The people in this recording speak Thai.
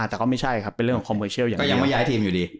แต่ก็ไม่ใช่ครับเป็นเรื่องของคอมเวเชียลยังไม่ย้ายทีมอยู่ดี